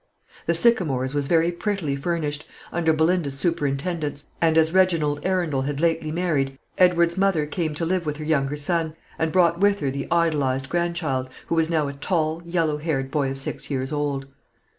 The Sycamores was very prettily furnished, under Belinda's superintendence; and as Reginald Arundel had lately married, Edward's mother came to live with her younger son, and brought with her the idolised grandchild, who was now a tall, yellow haired boy of six years old.